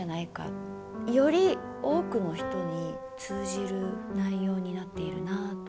より多くの人に通じる内容になっているなあと。